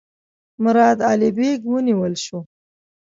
مراد علي بیګ ونیول شو.